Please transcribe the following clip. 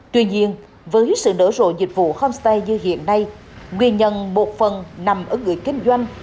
tuy nhiên với sự nở rộ dịch vụ homestay như hiện nay nguyên nhân một phần nằm ở người kinh doanh